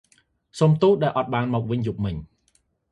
សុំទោសដែលអត់បានមកយប់មិញ។